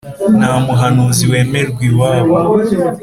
ntamuhanuzi wemerwa iwabo